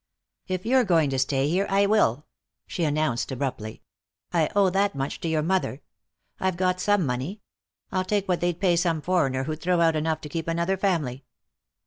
"If you're going to stay here I will," she announced abruptly. "I owe that much to your mother. I've got some money. I'll take what they'd pay some foreigner who'd throw out enough to keep another family."